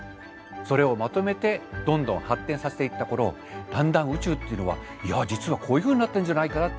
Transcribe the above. それをまとめてどんどん発展させていった頃だんだん宇宙っていうのはいや実はこういうふうになってるんじゃないかな。